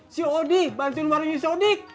si odi bantuin warungnya sodiq